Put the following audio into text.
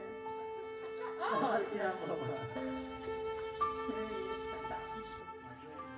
selain pendampingan langsung pendampingan virtual juga dilakukan kepada pasien covid sembilan belas